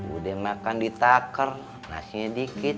udah makan di taker nasinya dikit